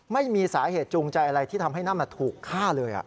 ไม่มีสาเหตุจูงใจอะไรที่ทำให้นั่นถูกฆ่าเลย